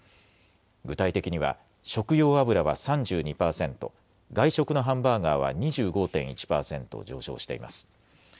具体的には食用油は３２％、外食のハンバーガーは２５．１％上昇しています。